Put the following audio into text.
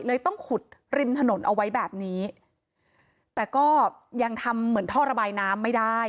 ต้องขุดริมถนนเอาไว้แบบนี้แต่ก็ยังทำเหมือนท่อระบายน้ำไม่ได้